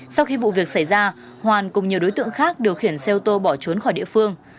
sau khi vụ việc xảy ra hoàn cùng nhiều đối tượng khác điều khiển xe ô tô bỏ trốn khỏi địa phương